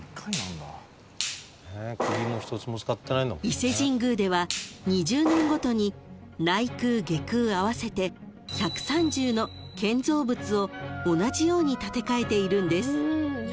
［伊勢神宮では２０年ごとに内宮外宮合わせて１３０の建造物を同じように建て替えているんです］